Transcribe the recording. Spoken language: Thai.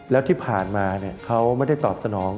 แล้วที่ผ่านมาเขาไม่ได้ตอบสนอง